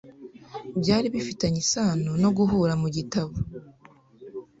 byari bifitanye isano no guhura mu gitabo